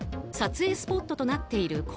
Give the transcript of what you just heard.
撮影スポットとなっている